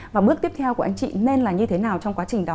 và bước tiếp theo của anh chị nên là như thế nào trong quá trình đó